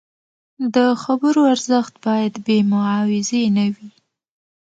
د خبرو ارزښت باید بې معاوضې نه وي.